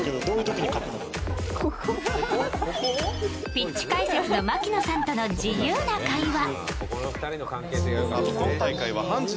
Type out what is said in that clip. ピッチ解説の槙野さんとの自由な会話。